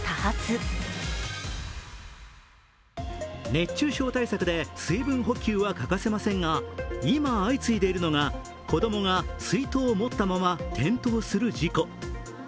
熱中症対策で水分補給は欠かせませんが、今、相次いでいるのが子供が水筒を持ったまま転倒する事故。